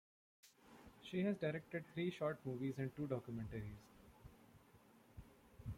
She has directed three short movies and two documentaries.